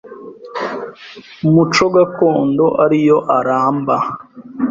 muco gakondo ari yo aramba